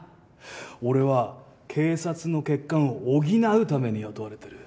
俺は警察の欠陥を補うために雇われてる。